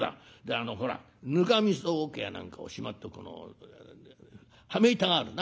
あのほらぬかみそおけや何かをしまっておく羽目板があるな。